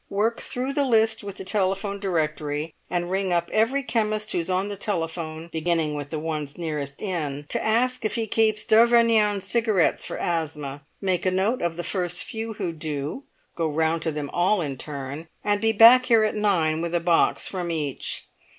Work through the list with the telephone directory, and ring up every chemist who's on the telephone, beginning with the ones nearest in, to ask if he keeps d'Auvergne Cigarettes for asthma. Make a note of the first few who do; go round to them all in turn, and be back here at nine with a box from each.